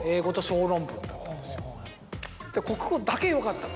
国語だけよかったので。